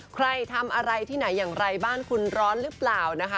ใครทำอะไรที่ไหนอย่างไรบ้านคุณร้อนหรือเปล่านะคะ